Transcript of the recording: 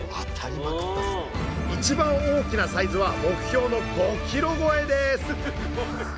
一番大きなサイズは目標の５ｋｇ超えです